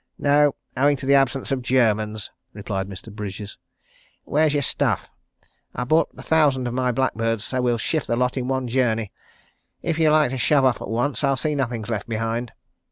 "No; owing to the absence of Germans," replied Mr. Bridges. "Where's your stuff? I've brought a thousand of my blackbirds, so we'll shift the lot in one journey. If you like to shove off at once, I'll see nothing's left behind.